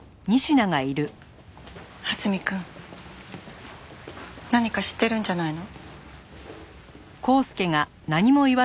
蓮見くん何か知ってるんじゃないの？